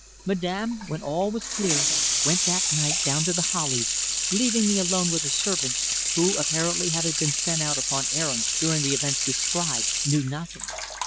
Madame, when all was clear, went that night down to The Hollies, leaving me alone with the servants, who, having apparently been sent out upon errands during the events described, knew nothing.